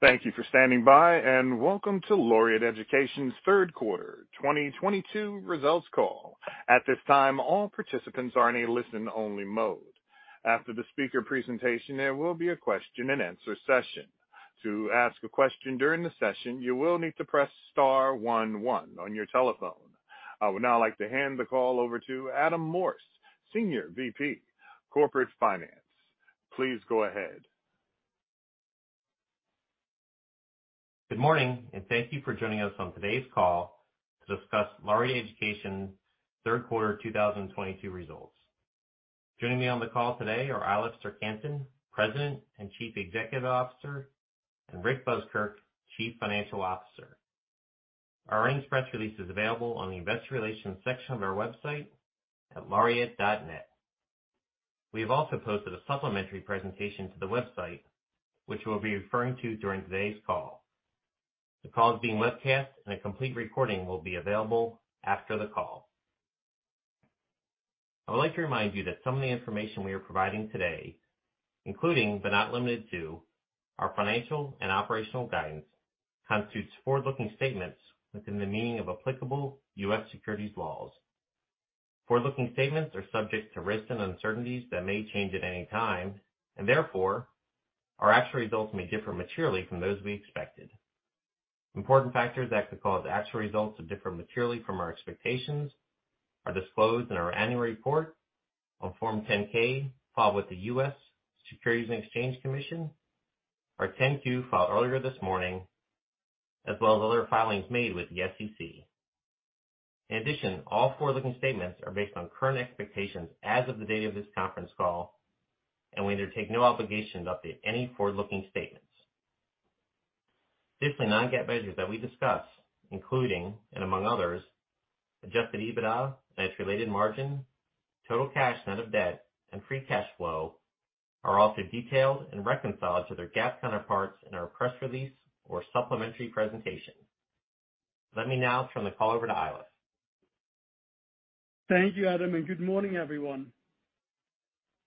Thank you for standing by, and welcome to Laureate Education's third quarter 2022 results call. At this time, all participants are in a listen-only mode. After the speaker presentation, there will be a question-and-answer session. To ask a question during the session, you will need to press star one one on your telephone. I would now like to hand the call over to Adam Morse, Senior VP, Corporate Finance. Please go ahead. Good morning, and thank you for joining us on today's call to discuss Laureate Education third quarter 2022 results. Joining me on the call today are Eilif Serck-Hanssen, President and Chief Executive Officer, and Rick Buskirk, Chief Financial Officer. Our earnings press release is available on the investor relations section of our website at laureate.net. We have also posted a supplementary presentation to the website, which we'll be referring to during today's call. The call is being webcast, and a complete recording will be available after the call. I would like to remind you that some of the information we are providing today, including but not limited to our financial and operational guidance, constitutes forward-looking statements within the meaning of applicable U.S. securities laws. Forward-looking statements are subject to risks and uncertainties that may change at any time, and therefore, our actual results may differ materially from those we expected. Important factors that could cause actual results to differ materially from our expectations are disclosed in our annual report on Form 10-K filed with the U.S. Securities and Exchange Commission, our 10-Q filed earlier this morning, as well as other filings made with the SEC. In addition, all forward-looking statements are based on current expectations as of the date of this conference call, and we undertake no obligation to update any forward-looking statements. Additionally, non-GAAP measures that we discuss, including and among others, adjusted EBITDA and its related margin, total cash net of debt, and free cash flow are also detailed and reconciled to their GAAP counterparts in our press release or supplementary presentation. Let me now turn the call over to Eilif Serck-Hanssen. Thank you, Adam, and good morning, everyone.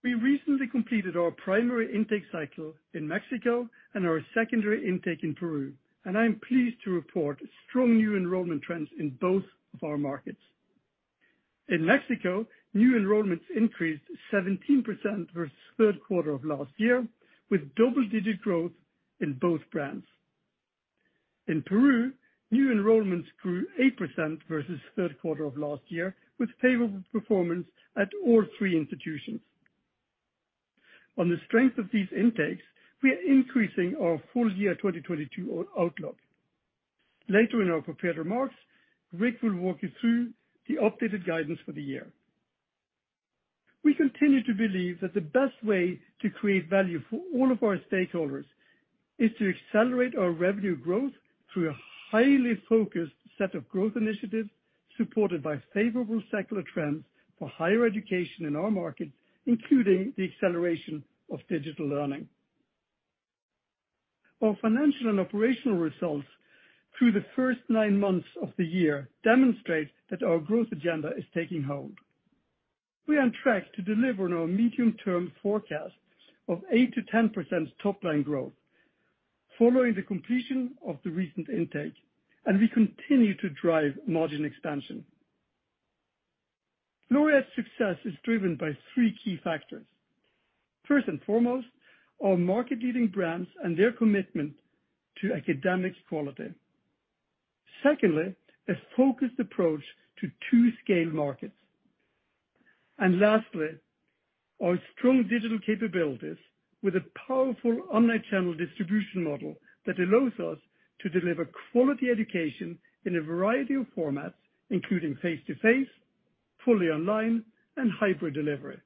We recently completed our primary intake cycle in Mexico and our secondary intake in Peru, and I am pleased to report strong new enrollment trends in both of our markets. In Mexico, new enrollments increased 17% versus third quarter of last year, with double-digit growth in both brands. In Peru, new enrollments grew 8% versus third quarter of last year, with favorable performance at all three institutions. On the strength of these intakes, we are increasing our full year 2022 outlook. Later in our prepared remarks, Rick will walk you through the updated guidance for the year. We continue to believe that the best way to create value for all of our stakeholders is to accelerate our revenue growth through a highly focused set of growth initiatives supported by favorable secular trends for higher education in our market, including the acceleration of digital learning. Our financial and operational results through the first nine months of the year demonstrate that our growth agenda is taking hold. We are on track to deliver on our medium-term forecast of 8%-10% top line growth following the completion of the recent intake, and we continue to drive margin expansion. Laureate's success is driven by three key factors. First and foremost, our market-leading brands and their commitment to academic quality. Secondly, a focused approach to two scale markets. Lastly, our strong digital capabilities with a powerful omnichannel distribution model that allows us to deliver quality education in a variety of formats, including face-to-face, fully online, and hybrid delivery.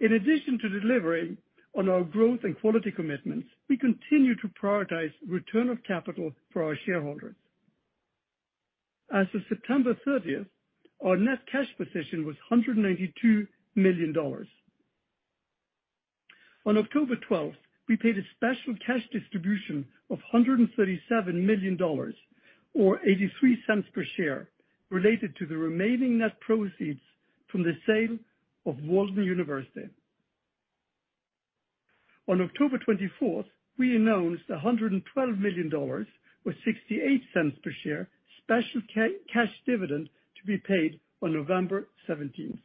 In addition to delivering on our growth and quality commitments, we continue to prioritize return of capital for our shareholders. As of September thirtieth, our net cash position was $192 million. On October twelfth, we paid a special cash distribution of $137 million or $0.83 per share related to the remaining net proceeds from the sale of Walden University. On October twenty-fourth, we announced $112 million or $0.68 per share special cash dividend to be paid on November 17.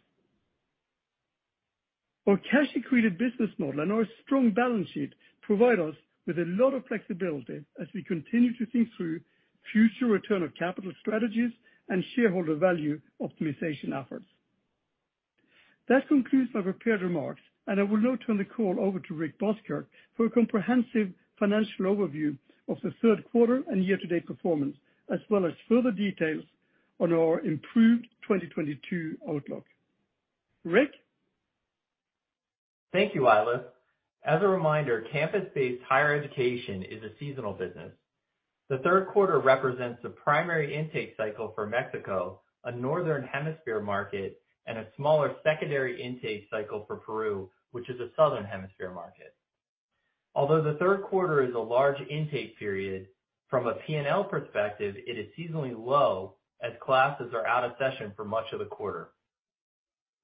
Our cash-accretive business model and our strong balance sheet provide us with a lot of flexibility as we continue to think through future return of capital strategies and shareholder value optimization efforts. That concludes my prepared remarks, and I will now turn the call over to Rick Buskirk for a comprehensive financial overview of the third quarter and year-to-date performance, as well as further details on our improved 2022 outlook. Rick? Thank you, Eilif. As a reminder, campus-based higher education is a seasonal business. The third quarter represents the primary intake cycle for Mexico, a Northern Hemisphere market, and a smaller secondary intake cycle for Peru, which is a Southern Hemisphere market. Although the third quarter is a large intake period, from a P&L perspective, it is seasonally low as classes are out of session for much of the quarter.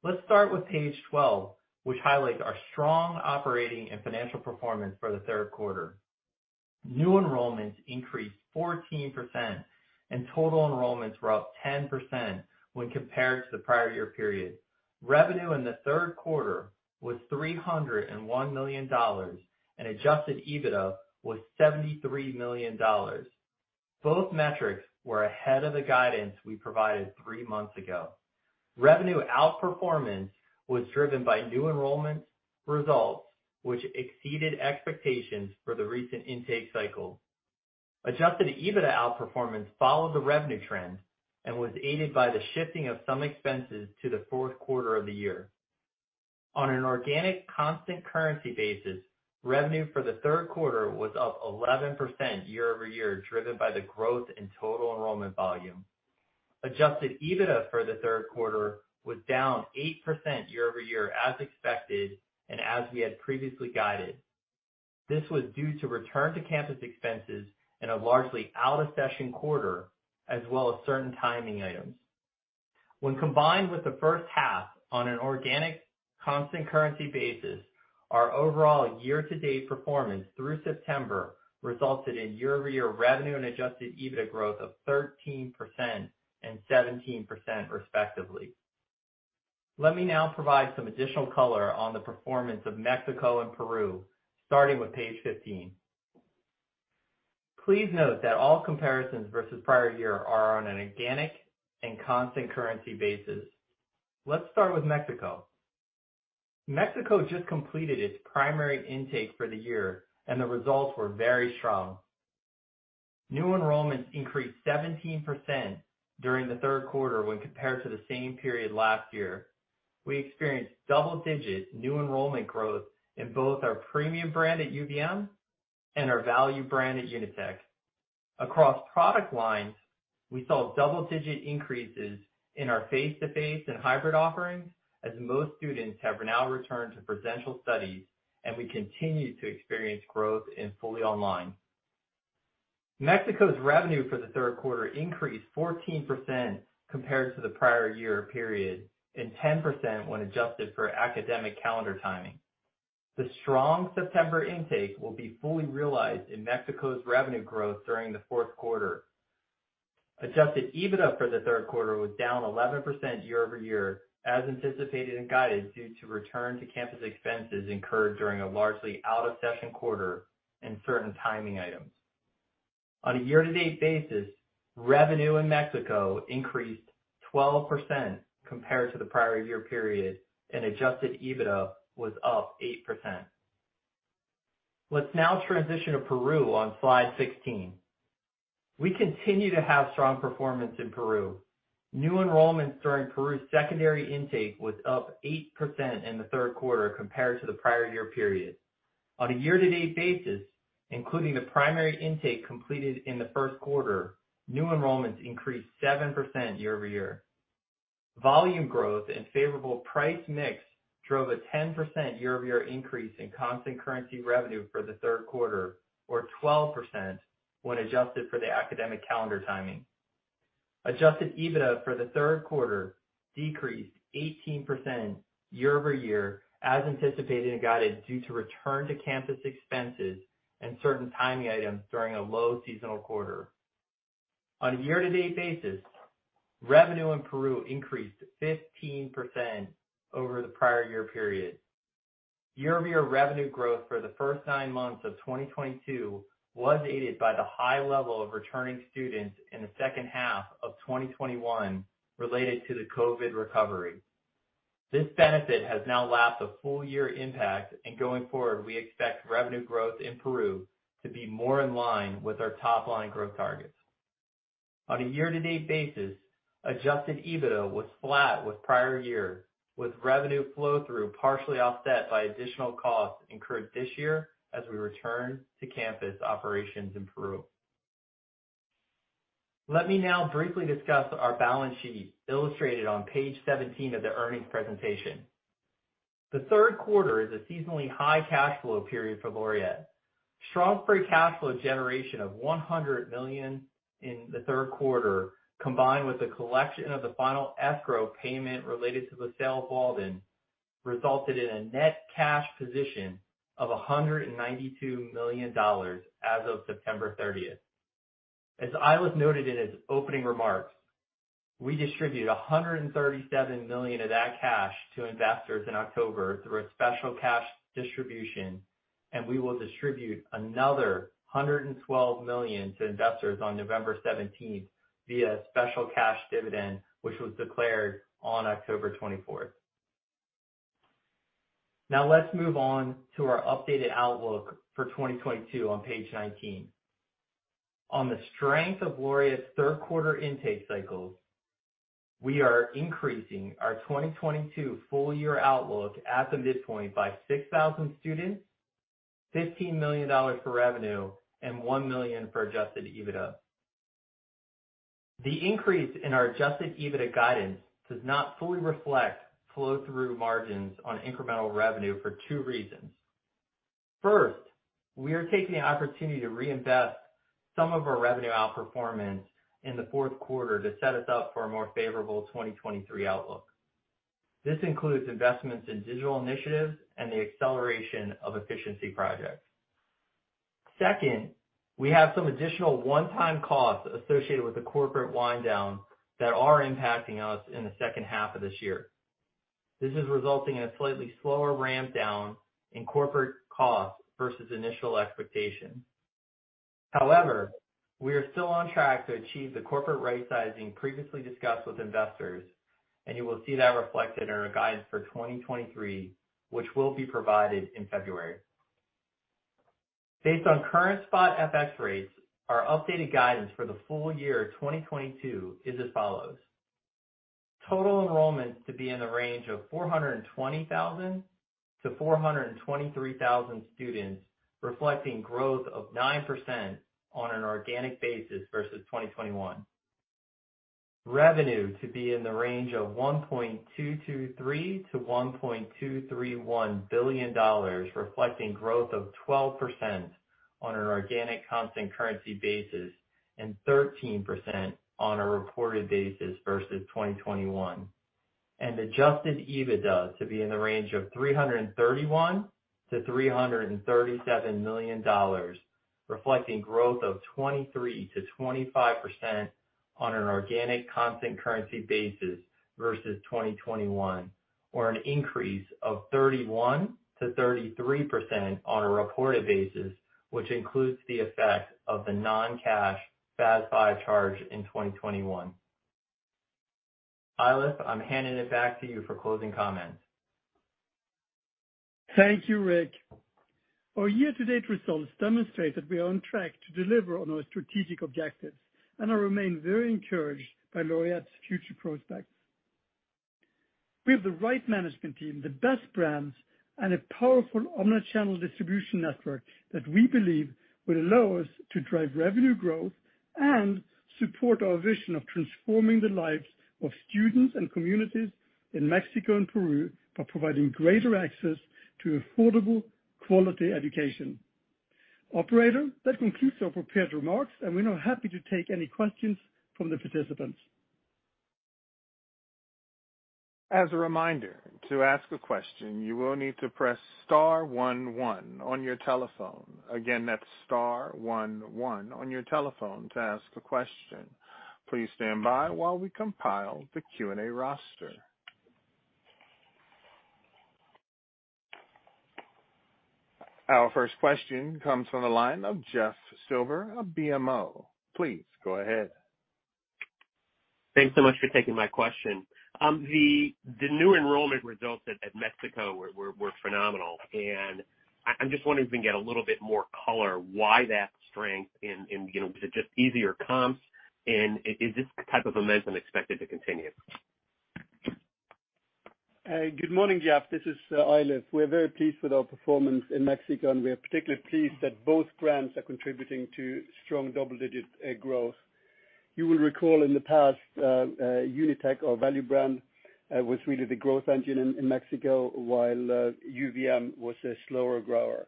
Let's start with page 12, which highlights our strong operating and financial performance for the third quarter. New enrollments increased 14% and total enrollments were up 10% when compared to the prior year period. Revenue in the third quarter was $301 million, and adjusted EBITDA was $73 million. Both metrics were ahead of the guidance we provided three months ago. Revenue outperformance was driven by new enrollment results, which exceeded expectations for the recent intake cycle. Adjusted EBITDA outperformance followed the revenue trend and was aided by the shifting of some expenses to the fourth quarter of the year. On an organic constant currency basis, revenue for the third quarter was up 11% year-over-year, driven by the growth in total enrollment volume. Adjusted EBITDA for the third quarter was down 8% year-over-year, as expected, and as we had previously guided. This was due to return to campus expenses and a largely out-of-session quarter, as well as certain timing items. When combined with the first half on an organic constant currency basis, our overall year-to-date performance through September resulted in year-over-year revenue and adjusted EBITDA growth of 13% and 17% respectively. Let me now provide some additional color on the performance of Mexico and Peru, starting with page 15. Please note that all comparisons versus prior year are on an organic and constant currency basis. Let's start with Mexico. Mexico just completed its primary intake for the year and the results were very strong. New enrollments increased 17% during the third quarter when compared to the same period last year. We experienced double-digit new enrollment growth in both our premium brand at UVM and our value brand at UNITEC. Across product lines, we saw double-digit increases in our face-to-face and hybrid offerings as most students have now returned to presential studies and we continue to experience growth in fully online. Mexico's revenue for the third quarter increased 14% compared to the prior year period, and 10% when adjusted for academic calendar timing. The strong September intake will be fully realized in Mexico's revenue growth during the fourth quarter. Adjusted EBITDA for the third quarter was down 11% year-over-year, as anticipated and guided due to return to campus expenses incurred during a largely out-of-session quarter and certain timing items. On a year-to-date basis, revenue in Mexico increased 12% compared to the prior year period, and adjusted EBITDA was up 8%. Let's now transition to Peru on slide 16. We continue to have strong performance in Peru. New enrollments during Peru's secondary intake was up 8% in the third quarter compared to the prior year period. On a year-to-date basis, including the primary intake completed in the first quarter, new enrollments increased 7% year over year. Volume growth and favorable price mix drove a 10% year-over-year increase in constant currency revenue for the third quarter, or 12% when adjusted for the academic calendar timing. Adjusted EBITDA for the third quarter decreased 18% year over year as anticipated and guided due to return to campus expenses and certain timing items during a low seasonal quarter. On a year-to-date basis, revenue in Peru increased 15% over the prior year period. Year-over-year revenue growth for the first nine months of 2022 was aided by the high level of returning students in the second half of 2021 related to the Covid recovery. This benefit has now lapsed a full year impact, and going forward, we expect revenue growth in Peru to be more in line with our top line growth targets. On a year-to-date basis, adjusted EBITDA was flat with prior year, with revenue flow through partially offset by additional costs incurred this year as we return to campus operations in Peru. Let me now briefly discuss our balance sheet illustrated on page 17 of the earnings presentation. The third quarter is a seasonally high cash flow period for Laureate. Strong free cash flow generation of $100 million in the third quarter, combined with the collection of the final escrow payment related to the sale of Walden, resulted in a net cash position of $192 million as of September 30. Eilif noted in his opening remarks, we distributed $137 million of that cash to investors in October through a special cash distribution, and we will distribute another $112 million to investors on November 17 via special cash dividend, which was declared on October 24. Now, let's move on to our updated outlook for 2022 on page 19. On the strength of Laureate's third quarter intake cycles, we are increasing our 2022 full year outlook at the midpoint by 6,000 students, $15 million for revenue, and $1 million for adjusted EBITDA. The increase in our adjusted EBITDA guidance does not fully reflect flow through margins on incremental revenue for two reasons. First, we are taking the opportunity to reinvest some of our revenue outperformance in the fourth quarter to set us up for a more favorable 2023 outlook. This includes investments in digital initiatives and the acceleration of efficiency projects. Second, we have some additional one-time costs associated with the corporate wind down that are impacting us in the second half of this year. This is resulting in a slightly slower ramp down in corporate costs versus initial expectations. However, we are still on track to achieve the corporate rightsizing previously discussed with investors, and you will see that reflected in our guidance for 2023, which will be provided in February. Based on current spot FX rates, our updated guidance for the full year 2022 is as follows: Total enrollments to be in the range of 420,000-423,000 students, reflecting growth of 9% on an organic basis versus 2021. Revenue to be in the range of $1.223 billion-$1.231 billion, reflecting growth of 12% on an organic constant currency basis and 13% on a reported basis versus 2021. Adjusted EBITDA to be in the range of $331 million-$337 million, reflecting growth of 23%-25% on an organic constant currency basis versus 2021, or an increase of 31%-33% on a reported basis, which includes the effect of the non-cash FASB charge in 2021. Eilif, I'm handing it back to you for closing comments. Thank you, Rick. Our year-to-date results demonstrate that we are on track to deliver on our strategic objectives, and I remain very encouraged by Laureate's future prospects. We have the right management team, the best brands, and a powerful omnichannel distribution network that we believe will allow us to drive revenue growth and support our vision of transforming the lives of students and communities in Mexico and Peru by providing greater access to affordable quality education. Operator, that concludes our prepared remarks, and we're now happy to take any questions from the participants. As a reminder, to ask a question, you will need to press star one one on your telephone. Again, that's star one one on your telephone to ask a question. Please stand by while we compile the Q&A roster. Our first question comes from the line of Jeff Silber of BMO. Please go ahead. Thanks so much for taking my question. The new enrollment results at Mexico were phenomenal, and I'm just wondering if we can get a little bit more color why that strength and you know, was it just easier comps? Is this type of momentum expected to continue? Good morning, Jeff. This is Eilif. We're very pleased with our performance in Mexico, and we are particularly pleased that both brands are contributing to strong double-digit growth. You will recall in the past, UNITEC or Value Brand was really the growth engine in Mexico, while UVM was a slower grower.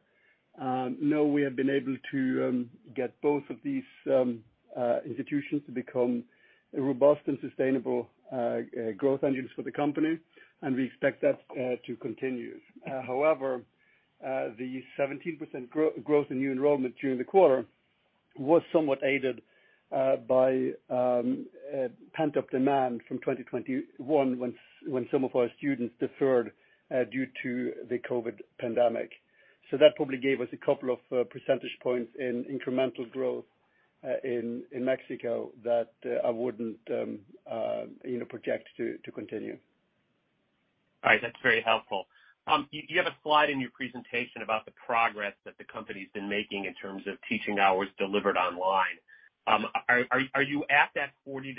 Now we have been able to get both of these institutions to become robust and sustainable growth engines for the company, and we expect that to continue. However, the 17% growth in new enrollment during the quarter was somewhat aided by pent-up demand from 2021 when some of our students deferred due to the COVID pandemic. That probably gave us a couple of percentage points in incremental growth in Mexico that I wouldn't, you know, project to continue. All right. That's very helpful. You have a slide in your presentation about the progress that the company's been making in terms of teaching hours delivered online. Are you at that 40%-60%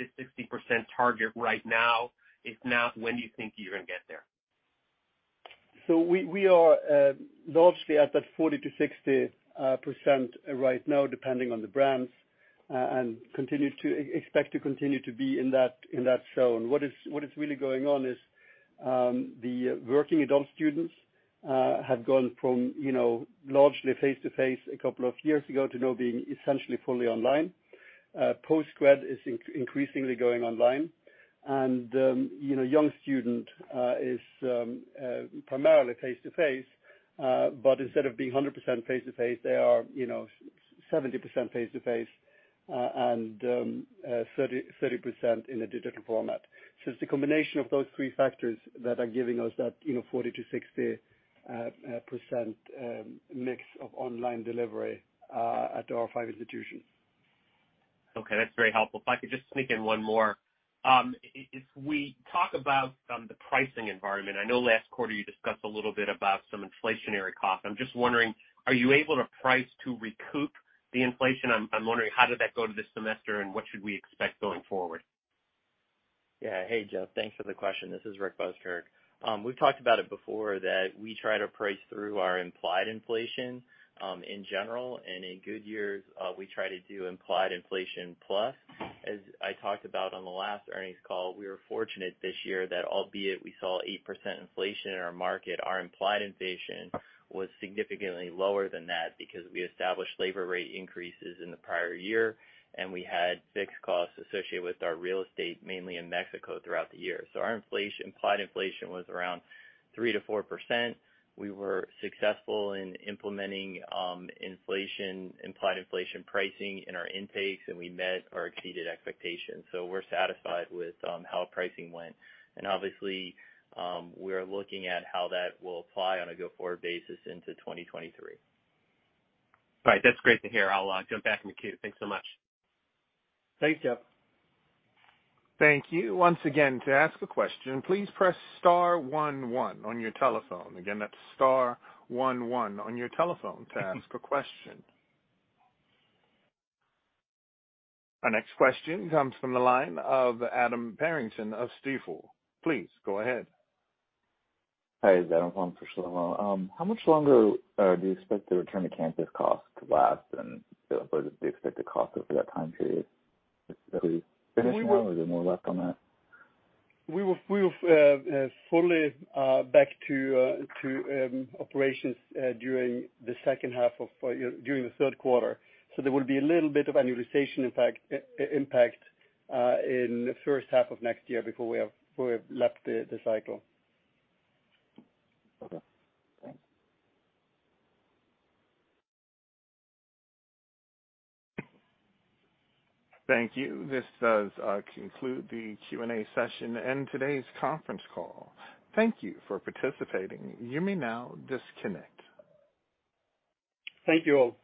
target right now? If not, when do you think you're gonna get there? We are largely at that 40%-60% right now, depending on the brands, and expect to continue to be in that zone. What is really going on is the working adult students have gone from, you know, largely face-to-face a couple of years ago to now being essentially fully online. Post-grad is increasingly going online. You know, young student is primarily face-to-face, but instead of being 100% face-to-face, they are, you know, 70% face-to-face and 30% in a digital format. It's a combination of those three factors that are giving us that, you know, 40%-60% mix of online delivery at our five institutions. Okay. That's very helpful. If I could just sneak in one more. If we talk about the pricing environment, I know last quarter you discussed a little bit about some inflationary costs. I'm just wondering, are you able to price to recoup the inflation? I'm wondering how did that go this semester, and what should we expect going forward? Yeah. Hey, Jeff, thanks for the question. This is Rick Buskirk. We've talked about it before that we try to price through our implied inflation, in general, and in good years, we try to do implied inflation plus. As I talked about on the last earnings call, we were fortunate this year that albeit we saw 8% inflation in our market, our implied inflation was significantly lower than that because we established labor rate increases in the prior year, and we had fixed costs associated with our real estate, mainly in Mexico throughout the year. Our implied inflation was around 3%-4%. We were successful in implementing implied inflation pricing in our intakes, and we met or exceeded expectations. We're satisfied with how pricing went. Obviously, we're looking at how that will apply on a go-forward basis into 2023. All right. That's great to hear. I'll jump back in the queue. Thanks so much. Thanks, Jeff. Thank you. Once again, to ask a question, please press star 11 on your telephone. Again, that's star 11 on your telephone to ask a question. Our next question comes from the line of Adam Parrington of Stifel. Please go ahead. Hi, is Adam calling for Shlomo. How much longer do you expect the return to campus cost to last and the expected cost over that time period? Is it finished now or is there more left on that? We will fully back to operations during the third quarter. There will be a little bit of annualization impact in the first half of next year before we have left the cycle. Okay. Thanks. Thank you. This does conclude the Q&A session and today's conference call. Thank you for participating. You may now disconnect. Thank you all.